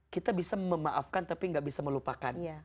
kita bisa memaafkan tapi gak bisa melupakan